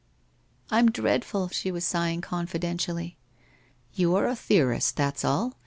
' I'm dreadful !' she said sighing confidentially. 'You are a theorist, that's all.